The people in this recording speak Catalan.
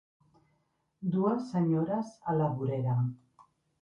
Dues senyores a la vorera.